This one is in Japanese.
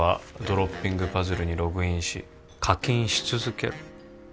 「ドロッピング・パズルにログインし課金し続けろ」